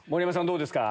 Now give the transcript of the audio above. どうですか？